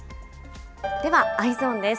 では、Ｅｙｅｓｏｎです。